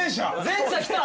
前者来た！